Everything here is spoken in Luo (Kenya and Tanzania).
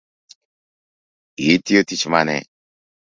Itiyo tich mane?